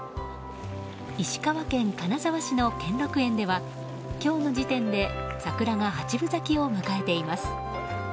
石川県金沢市の兼六園では今日の時点で桜が八分咲きを迎えています。